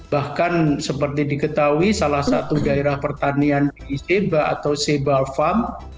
bahkan seperti diketahui salah satu daerah pertanian di sheba atau sebal farm